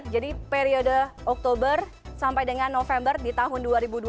jadi periode oktober sampai dengan november di tahun dua ribu dua belas